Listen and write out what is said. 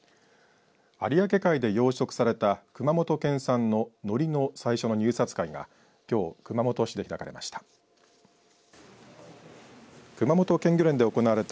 有明海で養殖された熊本県産ののりの最初の入札会がきょう熊本市で開かれました。